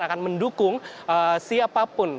akan mendukung siapapun